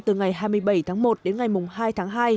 từ ngày hai mươi bảy tháng một đến ngày hai tháng hai